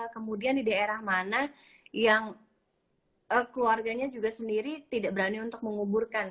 kemudian di daerah mana yang keluarganya juga sendiri tidak berani untuk menguburkan